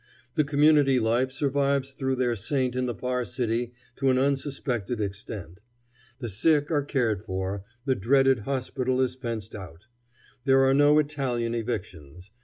The community life survives through their saint in the far city to an unsuspected extent. The sick are cared for; the dreaded hospital is fenced out. There are no Italian evictions.